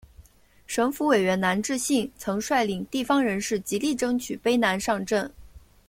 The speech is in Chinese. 省府委员南志信曾率领地方人士极力争取卑南上圳。